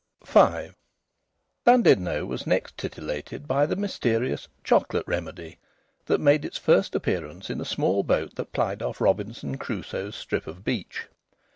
V Llandudno was next titillated by the mysterious "Chocolate Remedy," which made its first appearance in a small boat that plied off Robinson Crusoe's strip of beach.